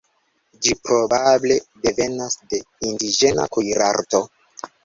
Ĝi probable devenas de indiĝena kuirarto.